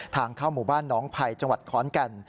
ทางเข้าหมู่บ้านน้องไผ่จังหวัดขอนแก่น